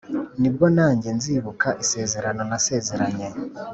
Ni bwo nanjye nzibuka isezerano nasezeranye